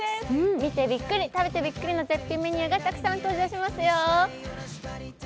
見てびっくり、食べてびっくりの絶品メニューがたくさん登場しますよ。